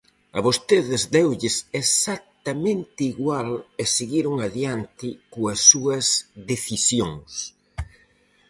A vostedes deulles exactamente igual e seguiron adiante coas súas decisións.